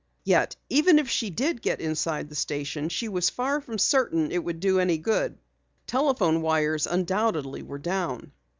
Yet even if she did get inside the station, she was far from certain it would do any good. Telephone wires undoubtedly were down.